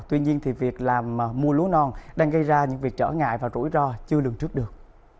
tuy nhiên thì việc làm mua lúa non đang gây ra những việc trở ngại và rủi ro chưa lường trước được